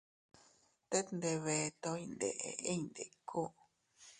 Tet ndebeto iyndeʼe inñ ndiku.